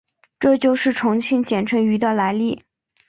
这就是重庆简称渝的来历。